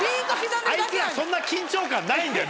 あいつらそんな緊張感ないんだよ